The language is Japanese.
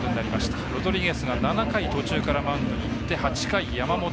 ロドリゲスが７回途中からマウンドに行って８回、山本。